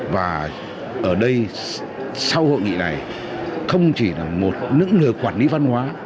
và ở đây sau hội nghị này không chỉ là một những người quản lý văn hóa